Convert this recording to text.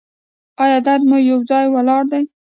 ایا درد مو یو ځای ولاړ دی؟